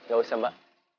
gak usah mbak